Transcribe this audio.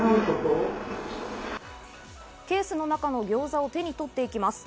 ケースの中のギョーザを手に取っていきます。